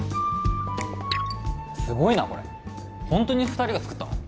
すごいなこれホントに二人が作ったの？